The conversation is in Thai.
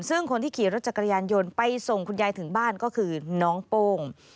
ซึ่งคนที่ขี่รถจักรยานยนต์ไปส่งคุณยายถึงบ้านก็คือน้องโป้ง